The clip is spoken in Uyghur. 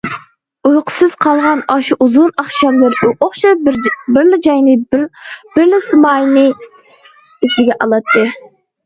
ئۇيقۇسىز قالغان ئاشۇ ئۇزۇن ئاخشاملىرى ئۇ ئوخشاش بىرلا جاينى، بىرلا سىيمانى ئېسىگە ئالاتتى.